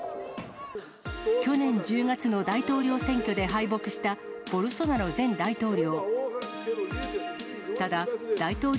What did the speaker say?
去年１０月の大統領選挙で敗北した、ボルソナロ前大統領。